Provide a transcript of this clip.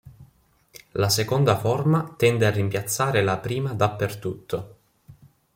La seconda forma tende a rimpiazzare la prima dappertutto.